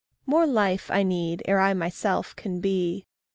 More life I need ere I myself can be.